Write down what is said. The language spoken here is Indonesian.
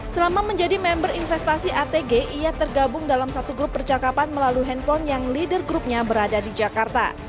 selama menjadi member investasi atg ia tergabung dalam satu grup percakapan melalui handphone yang leader grupnya berada di jakarta